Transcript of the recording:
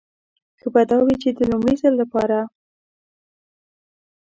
ښه به دا وي چې د لومړي ځل لپاره.